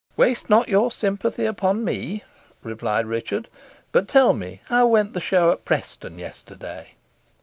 "Waste not your sympathy upon me," replied Richard; "but, tell me, how went the show at Preston yesterday?"